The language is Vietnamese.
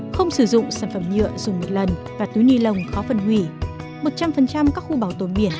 không sử dụng sản phẩm nhựa dùng một lần và túi ni lông khó phân hủy